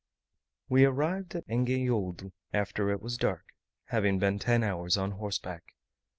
We arrived at Engenhodo after it was dark, having been ten hours on horseback.